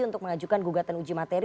untuk mengajukan gugatan uji materi